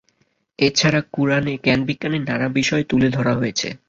এ ছাড়া কুরআনে জ্ঞান-বিজ্ঞানের নানা বিষয় তুলে ধরা হয়েছে।